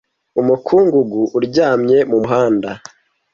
umukungugu uryamye mumuhanda